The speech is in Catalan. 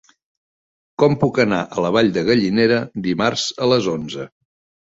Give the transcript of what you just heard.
Com puc anar a la Vall de Gallinera dimarts a les onze?